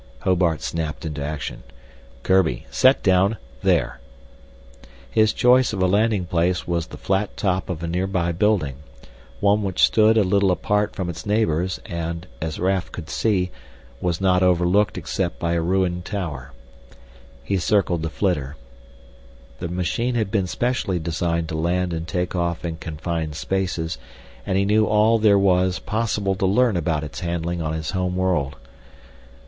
Hobart snapped into action. "Kurbi set down there!" His choice of a landing place was the flat top of a near by building, one which stood a little apart from its neighbors and, as Raf could see, was not overlooked except by a ruined tower. He circled the flitter. The machine had been specially designed to land and take off in confined spaces, and he knew all there was possible to learn about its handling on his home world.